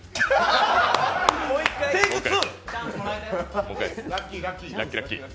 テイク２！